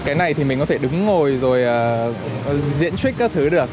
cái này thì mình có thể đứng ngồi rồi diễn trích các thứ được